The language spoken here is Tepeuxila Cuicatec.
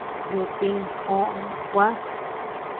Yudtï Fo kuä.